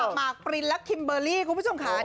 หมากปรินและคิมเบอร์รี่คุณผู้ชมค่ะ